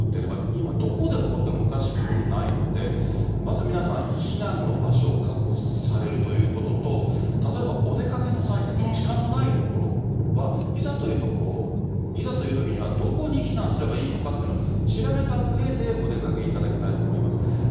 今、どこで起こってもおかしくないのでまず皆さん避難の場所を確保されるということとお出掛けの際土地勘のないところはいざというときにはどこに避難すればいいのかと調べた上でお出かけいただきたいと思います。